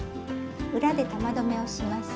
裏で玉留めをします。